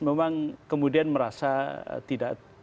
memang kemudian merasa tidak